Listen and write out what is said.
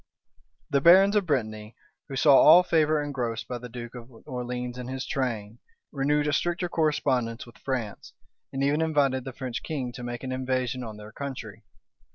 The barons of Brittany, who saw all favor engrossed by the duke of Orleans and his train, renewed a stricter correspondence with France, and even invited the French king to make an invasion on their country.